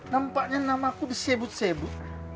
nampaknya nama aku disebut sebut